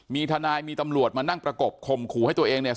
มีทนายมีตำรวจมานั่งประกบข่มขู่ให้ตัวเองเนี่ย